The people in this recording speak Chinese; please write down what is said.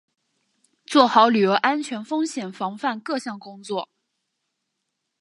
做好旅游安全风险防范各项工作